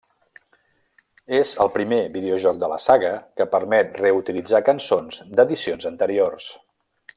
És el primer videojoc de la saga que permet reutilitzar cançons d'edicions anteriors.